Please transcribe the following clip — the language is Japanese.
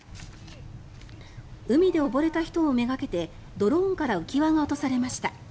海で溺れた人を目がけてドローンから浮き輪が落とされました。